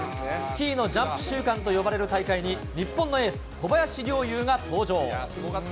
スキーのジャンプ週間と呼ばれる大会に、日本のエース、小林陵侑が登場。